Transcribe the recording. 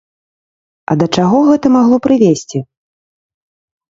А да чаго гэта магло прывесці?